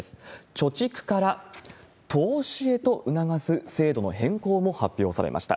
貯蓄から投資へと促す制度の変更も発表されました。